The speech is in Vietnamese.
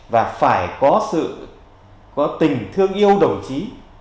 và phải có sự có tình thương yêu đồng chí